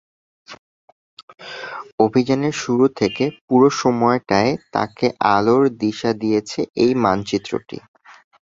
অভিযানের শুরু থেকে পুরো সময়টায় তাকে আলোর দিশা দিয়েছে এই মানচিত্রটি।